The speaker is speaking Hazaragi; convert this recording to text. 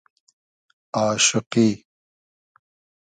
آشوقی